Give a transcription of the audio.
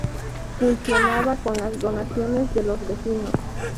Funcionaba con las donaciones de los vecinos.